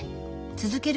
続ける